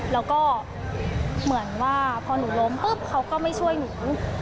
แล้วก็เหมือนว่าพอหนูล้มปุ๊บเขาก็ไม่ช่วยหนู